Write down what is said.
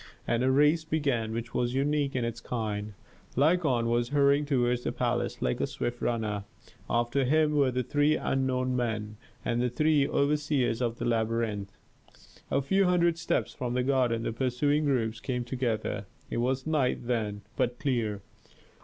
And a race began which was unique in its kind: Lykon was hurrying toward the palace, like a swift runner; after him were the three unknown men, and the three overseers of the labyrinth. A few hundred steps from the garden the pursuing groups came together. It was night then, but clear.